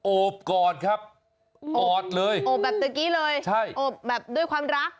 โอบกอดครับออดเลยโอบแบบตะกี้เลยใช่โอบแบบด้วยความรัก